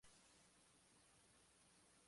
El otro ocupante de la casa es Mr.